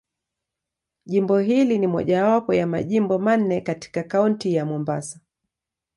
Jimbo hili ni mojawapo ya Majimbo manne katika Kaunti ya Mombasa.